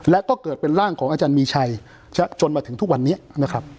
และก็เกิดเป็นร่างของอาจารย์มีชัยจนมาถึงทุกวันนี้นะครับ